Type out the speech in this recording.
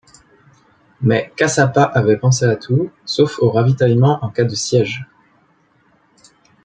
Mais, Kassapa avait pensé à tout, sauf au ravitaillement en cas de siège.